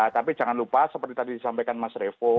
tapi jangan lupa seperti tadi disampaikan mas revo